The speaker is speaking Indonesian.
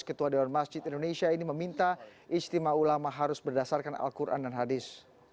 ketua dewan masjid indonesia ini meminta istimewa ulama harus berdasarkan al quran dan hadis